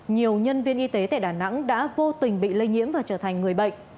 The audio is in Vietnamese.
nhiều nhân viên y tế tại đà nẵng đã vô tình bị lây nhiễm và trở thành người bệnh